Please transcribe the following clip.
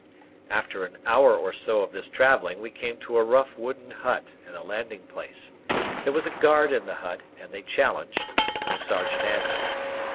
After an hour or so of this travelling, we came to a rough wooden hut and a landing place. There was a guard in the hut, and they challenged, and the sergeant answered.